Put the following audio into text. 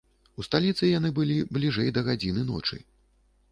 У сталіцы яны былі бліжэй да гадзіны ночы.